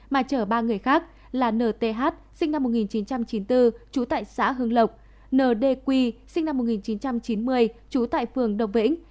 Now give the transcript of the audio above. mà chở ba người khác là nth sinh năm một nghìn chín trăm chín mươi bốn trú tại xã hưng lộc nd quy sinh năm một nghìn chín trăm chín mươi trú tại phường đồng vĩnh